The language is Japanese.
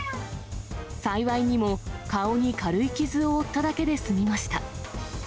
幸いにも顔に軽い傷を負っただけで済みました。